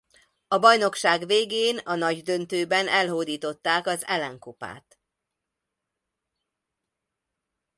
A bajnokság végén a nagydöntőben elhódították az Allan-kupát.